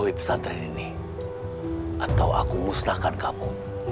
di pesantren ini atau aku musnahkan kamu